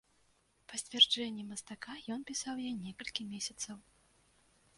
Па сцвярджэнні мастака, ён пісаў яе некалькі месяцаў.